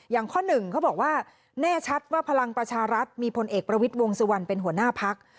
ข้อหนึ่งเขาบอกว่าแน่ชัดว่าพลังประชารัฐมีพลเอกประวิทย์วงสุวรรณเป็นหัวหน้าพัก